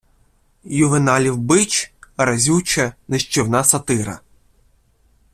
Ювеналів бич — разюча, нищівна сатира